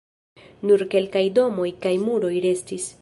Nur kelkaj domoj kaj muroj restis.